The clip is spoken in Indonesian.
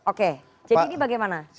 oke jadi ini bagaimana